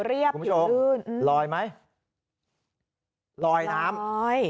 รีบพี่ผู้ชมรายไหมลอยน้ำลอย